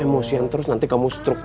kamu emosian terus nanti kamu stroke cek